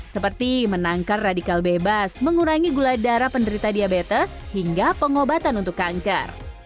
seperti menangkar radikal bebas mengurangi gula darah penderita diabetes hingga pengobatan untuk kanker